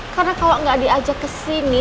karena kalau nggak diajak kesini